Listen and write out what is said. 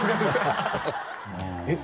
えっ？